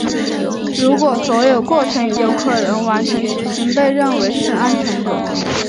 如果所有过程有可能完成执行被认为是安全的。